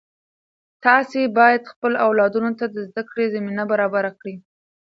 تاسې باید خپلو اولادونو ته د زده کړې زمینه برابره کړئ.